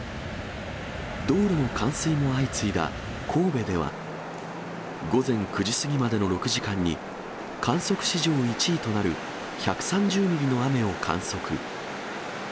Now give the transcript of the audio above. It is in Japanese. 道路の冠水も相次いだ神戸では、午前９時過ぎまでの６時間に、観測史上１位となる１３０ミリの雨を観測。